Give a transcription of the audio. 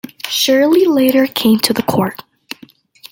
Shirley later came to the court.